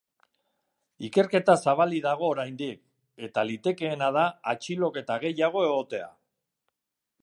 Ikerketa zabalik dago oraindik, eta litekeena da atxiloketa gehiago egotea.